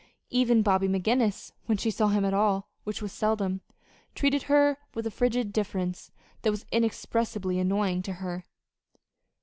Even Bobby McGinnis, when she saw him at all which was seldom treated her with a frigid deference that was inexpressibly annoying to her.